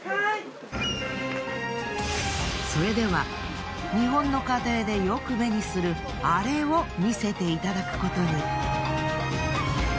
それでは日本の家庭でよく目にするアレを見せていただくことに。